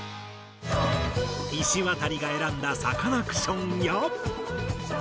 いしわたりが選んだサカナクションや。